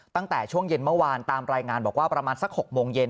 ตั้งแต่ช่วงเย็นเมื่อวานตามรายงานบอกว่าประมาณสัก๖โมงเย็น